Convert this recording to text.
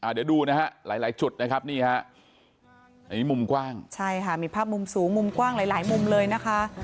เดี๋ยวดูนะฮะหลายจุดนะครับมมกว้างมีภาพมูมสูงมุมกว้างหลายมุมเลยนะคะ